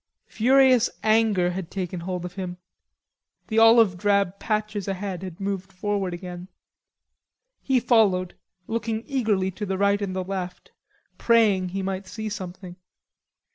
Furious anger had taken hold of him. The olive drab patches ahead had moved forward again. He followed, looking eagerly to the right and the left, praying he might see something.